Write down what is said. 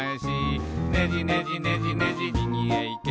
「ねじねじねじねじみぎへいけ」